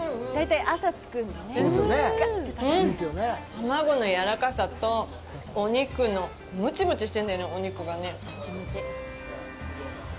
卵のやわらかさと、お肉の、ムチムチしてるんだよね、お肉がね。